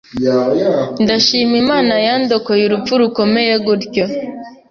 Ndashima Imana yandokoye urupfu rukomeye gutyo